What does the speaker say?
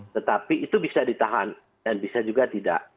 tetapi itu bisa ditahan dan bisa juga tidak